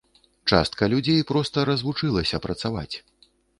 Частка людзей проста развучылася працаваць.